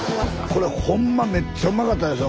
これホンマめっちゃうまかったですよ